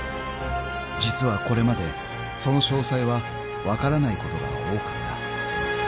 ［実はこれまでその詳細は分からないことが多かった］